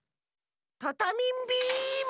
タタミンビーム！